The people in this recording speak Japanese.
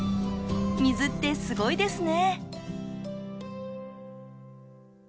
水ってすごいですね